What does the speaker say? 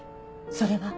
それは？